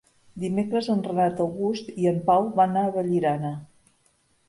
Dimecres en Renat August i en Pau van a Vallirana.